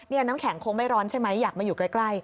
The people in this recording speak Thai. นี่น้ำแข็งคงไม่ร้อนใช่ไหมอยากมาอยู่ใกล้